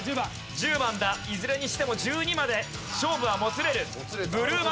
いずれにしても１２まで勝負はもつれる。